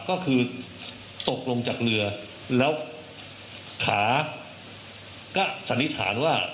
ก็คือตกลงจากเรือแล้วขาก็สันนิษฐานว่า